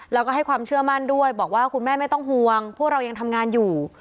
แล้วก็ให้ความเชื่อมั่นด้วยบอกว่าคุณแม่ไม่ต้องห่วงพวกเรายังทำงานอยู่